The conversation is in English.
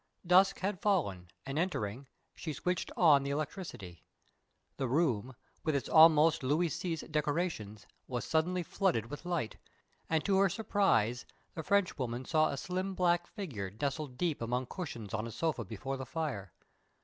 Dusk had fallen, and entering, she switched on the electricity. The room, with its almost Louis Seize decorations, was suddenly flooded with light; and to her surprise the Frenchwoman saw a slim black figure nestled deep among cushions on a sofa before the fire.